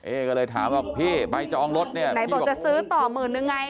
ก็เลยถามว่าพี่ใบจองรถเนี่ยไหนบอกจะซื้อต่อหมื่นนึงไง